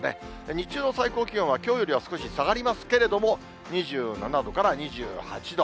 日中の最高気温は、きょうよりは少し下がりますけれども、２７度から２８度。